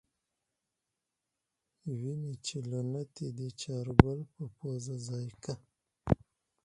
وی مې چې له نتې دې چارګل پۀ پوزه ځای که۔